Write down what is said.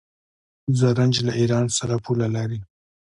زرنج له ایران سره پوله لري.